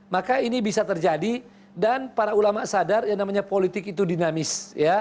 maka ini bisa terjadi dan para ulama sadar yang namanya politik itu dinamis